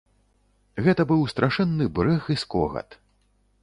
Гэта быў страшэнны брэх і скогат.